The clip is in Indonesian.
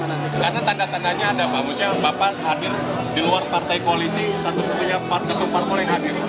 karena tanda tandanya ada mbak muziang bapak hadir di luar partai koalisi satu satunya partai kepala koalisi yang hadir